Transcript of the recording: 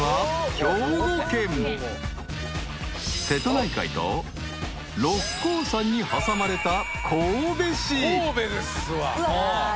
［瀬戸内海と六甲山に挟まれた］